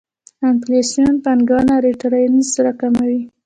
انفلاسیون پانګونه ريټرنز راکموي.